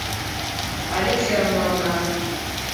— Але черым налына.